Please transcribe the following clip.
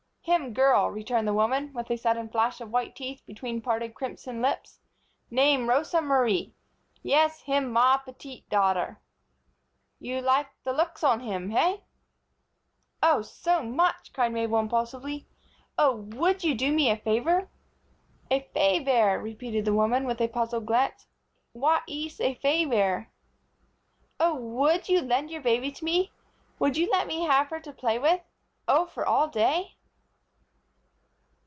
"Him girl," returned the woman, with a sudden flash of white teeth between parted crimson lips. "Name Rosa Marie. Yes, him ma petite daughtaire. You like the looks on him, hey?" "Oh, so much," cried Mabel, impulsively. "Oh, would you do me a favor?" "A favaire," repeated the woman, with a puzzled glance. "W'at ees a favaire?" "Oh, would you lend your baby to me? Would you let me have her to play with for Oh, for all day?"